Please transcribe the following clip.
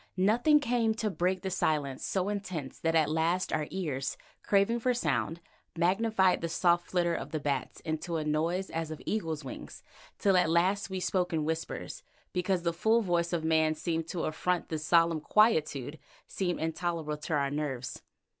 Nothing came to break a silence so intense that at last our ears, craving for sound, magnified the soft flitter of the bats into a noise as of eagle's wings, till at last we spoke in whispers, because the full voice of man seemed to affront the solemn quietude, seemed intolerable to our nerves.